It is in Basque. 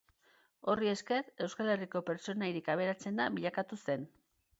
Horri esker, Euskal Herriko pertsonarik aberatsena bilakatu zen.